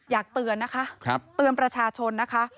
อยากเตือนนะคะเตือนประชาชนนะคะ